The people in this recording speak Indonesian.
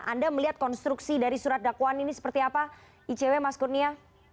anda melihat konstruksi dari surat dakwaan ini seperti apa icw mas kurnia